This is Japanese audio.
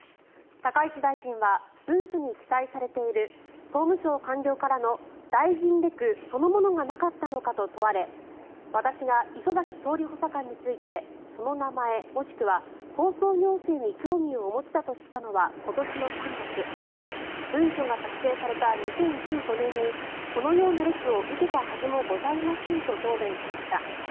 高市大臣は文書に記載されている総務省官僚からの大臣レクそのものがなかったのかと問われ私が礒崎総理補佐官についてその名前もしくは放送行政に興味をお持ちだと知ったのは今年の３月文書が作成された２０１５年にこのようなレクを受けたはずもございませんと答弁しました。